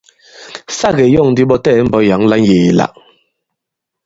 Sa ke yɔ᷇ŋ ndi ɓɔ latɛɛ̀ni i mbɔk yǎŋ la ŋyēe-la.